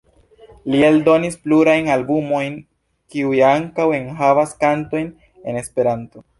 Li eldonis plurajn albumojn kiuj ankaŭ enhavas kantojn en Esperanto.